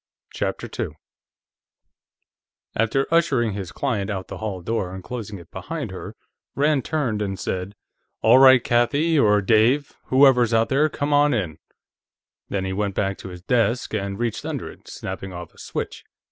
CHAPTER 2 After ushering his client out the hall door and closing it behind her, Rand turned and said: "All right, Kathie, or Dave; whoever's out there. Come on in." Then he went to his desk and reached under it, snapping off a switch.